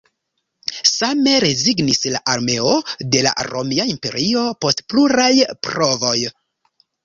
Same rezignis la armeo de la Romia Imperio post pluraj provoj.